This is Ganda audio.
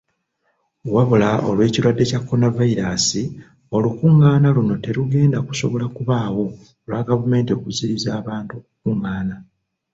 Wabula olw'ekirwadde kya Kolonavayiraasi, olukungaana luno terugenda kusobola kubaawo olwa gavumenti okuziyiza abantu okukungaana.